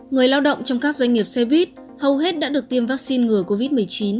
người lao động trong các doanh nghiệp xe buýt hầu hết đã được tiêm vaccine ngừa covid một mươi chín